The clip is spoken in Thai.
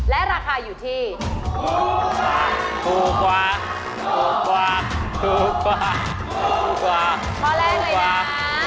และราคาอยู่ที่ถูกกว่าถูกกว่าถูกกว่าถูกกว่าข้อแรกเลยค่ะ